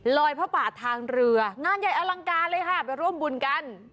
พระป่าทางเรืองานใหญ่อลังการเลยค่ะไปร่วมบุญกัน